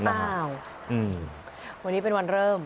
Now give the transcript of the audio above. วันนี้เป็นวันเริ่ม